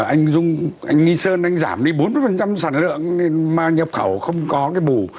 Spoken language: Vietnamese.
anh dung anh nghi sơn anh giảm đi bốn mươi sản lượng mà nhập khẩu không có cái bù